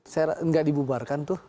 saya tidak dibubarkan tuh